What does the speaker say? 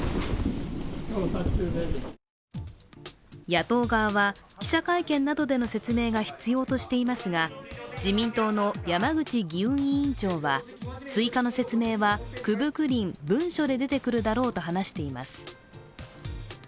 野党側は、記者会見などでの説明が必要としていますが自民党の山口議運委員長は追加の説明は９分９厘文書で出てくるだろうと話しています。